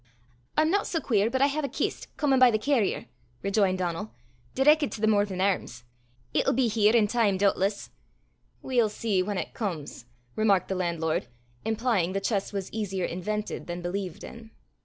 "I'm no sae queer but I hae a kist comin' by the carrier," rejoined Donal, "direckit to the Morven Airms. It'll be here in time doobtless." "We'll see whan it comes," remarked the landlord, implying the chest was easier invented than believed in.